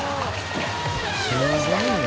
すごいな。